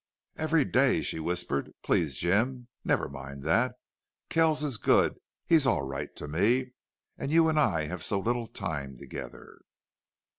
"Every day," she whispered. "Please Jim never mind that. Kells is good he's all right to me.... And you and I have so little time together."